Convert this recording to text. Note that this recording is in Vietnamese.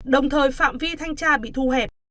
đồng thời phạm vi thanh tra bị thu hẹp